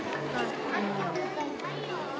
うん。